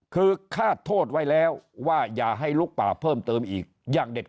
คือคาดโทษไว้แล้วว่าอย่าให้ลุกป่าเพิ่มเติมอีกอย่างเด็ด